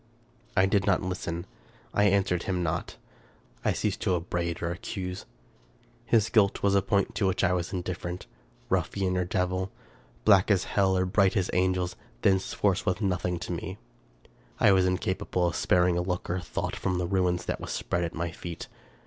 I did not listen — I answered him not — I ceased to up braid or accuse. His guilt was a point to which I was indifferent. Ruffian or devil, black as hell or bright as angels, thenceforth he was nothing to me. I was incapable of sparing a look or a thought from the ruin that was spread at my feet.